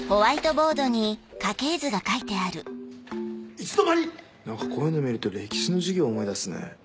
いつの間に⁉何かこういうの見ると歴史の授業思い出すね。